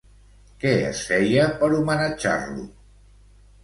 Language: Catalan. Què es feia per homenatjar-lo?